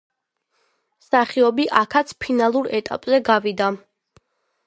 მსახიობი აქაც ფინალურ ეტაპზე გავიდა.